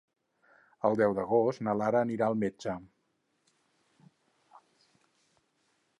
El deu d'agost na Lara anirà al metge.